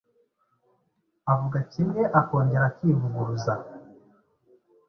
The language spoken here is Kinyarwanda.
avuga kimwe akongera akivuguruza